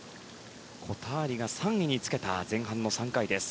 コターリが３位につけた前半の３回。